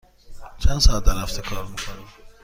چند ساعت در هفته کار می کنی؟